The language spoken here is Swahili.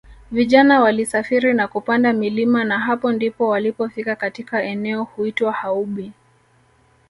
vijana walisafiri na kupanda milima na hapo ndipo walipofika katika eneo huitwa Haubi